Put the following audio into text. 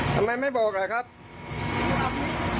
ทำไมไม่บอกเหรอครับ